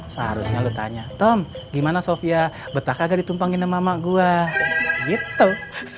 seharusnya lu tanya tom gimana sofia betah kagak ditumpangin sama mama gua gitu